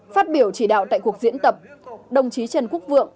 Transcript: phát biểu chỉ đạo tại cuộc diễn tập đồng chí trần quốc vượng